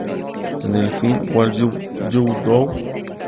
En el film "What Would You Do?